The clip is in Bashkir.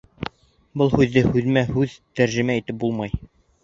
Был һүҙҙе һүҙмә-һүҙ тәржемә итеп булмай